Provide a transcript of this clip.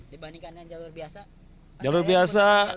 dibandingkan dengan jalur biasa